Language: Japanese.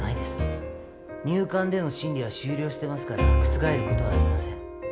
入管での審理は終了してますから覆ることはありません。